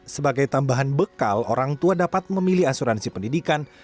sebagai tambahan bekal orang tua dapat memilih asuransi pendidikan